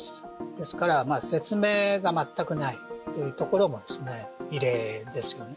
ですから、説明が全くないという所も異例ですよね。